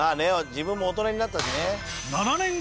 自分も大人になったしね。